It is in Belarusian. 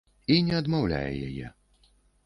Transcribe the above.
І не адмаўляе яе.